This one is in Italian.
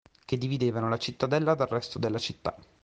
Che dividevano la cittadella dal resto della città.